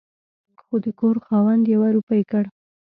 خو د کور خاوند يوه روپۍ کړ